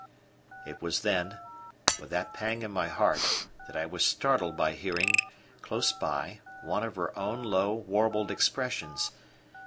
It was then, with that pang in my heart, that I was startled by hearing, close by, one of her own low, warbled expressions.